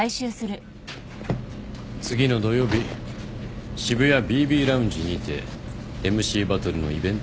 次の土曜日渋谷ＢＢＬｏｕｎｇｅにてＭＣバトルのイベントを開きます。